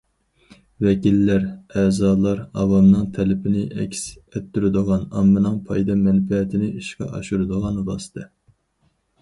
ۋەكىللەر، ئەزالار ئاۋامنىڭ تەلىپىنى ئەكس ئەتتۈرىدىغان، ئاممىنىڭ پايدا مەنپەئەتىنى ئىشقا ئاشۇرىدىغان ۋاسىتە.